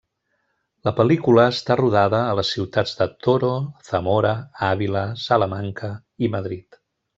La pel·lícula està rodada a les ciutats de Toro, Zamora, Àvila, Salamanca i Madrid.